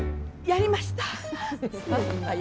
やりました。